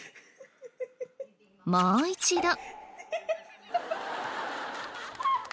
もう一度。